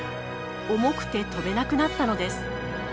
重くて飛べなくなったのです。